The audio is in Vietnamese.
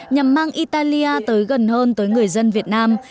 nhằm mang italia tới gần hơn tới người dân việt nam